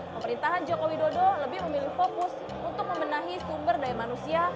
pemerintahan jokowi dodo lebih memilih fokus untuk memenahi sumber daya manusia